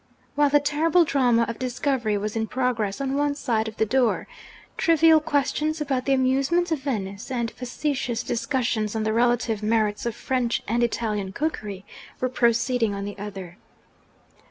While the terrible drama of discovery was in progress on one side of the door, trivial questions about the amusements of Venice, and facetious discussions on the relative merits of French and Italian cookery, were proceeding on the other.